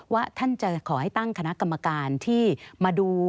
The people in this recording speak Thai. ว่าท่านจะขอให้ตั้งคณะกรรมการที่มาดู